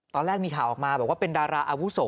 ตอนแรกมีข่าวออกมาบอกว่าเป็นดาราอาวุโส